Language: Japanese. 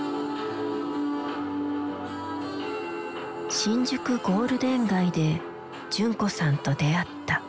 新宿ゴールデン街で純子さんと出会った。